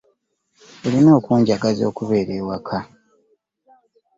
Olina okunjagaza okubeera ewaka.